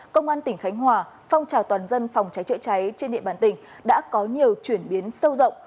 công an tỉnh khánh hòa phong trào toàn dân phòng cháy chữa cháy trên địa bàn tỉnh đã có nhiều chuyển biến sâu rộng